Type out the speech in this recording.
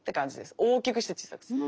大きくして小さくする。